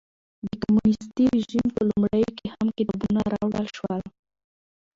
د کمونېستي رژیم په لومړیو کې هم کتابونه راوړل شول.